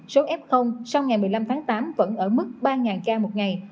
số f sau ngày một mươi năm tháng tám vẫn ở mức ba ca một ngày